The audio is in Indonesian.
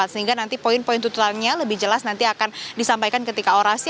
sehingga nanti poin poin tuntutannya lebih jelas nanti akan disampaikan ketika orasi